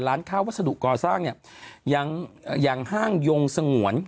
ร้านค้าวัสดุก่อสร้างเนี่ยอย่างห้างยงสงวน